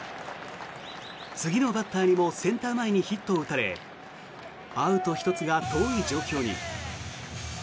次のバッターにもセンター前にヒットを打たれアウト１つが遠い状況に。